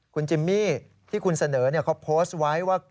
คุณจิมมี่ที่คุณเสนอเขาโพสต์ไว้ว่า